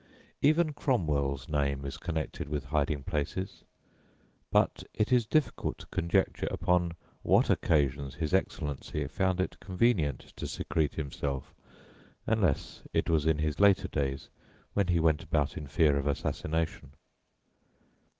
Even Cromwell's name is connected with hiding places! But it is difficult to conjecture upon what occasions his Excellency found it convenient to secrete himself, unless it was in his later days, when he went about in fear of assassination.